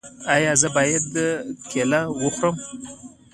ایا زه باید کیله وخورم؟